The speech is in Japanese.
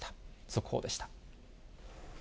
速報でした。